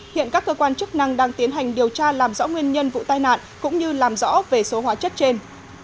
hiện các cơ quan chức năng đang tiến hành điều tra làm rõ nguyên nhân vụ tai nạn cũng như làm rõ về số hóa chất trên